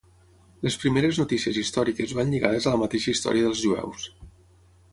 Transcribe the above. Les primeres notícies històriques van lligades a la mateixa història dels jueus.